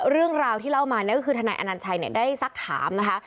เรื่องราวที่เล่ามาเนี่ยก็คือทนายอนัญชัยได้สักถามนะคะ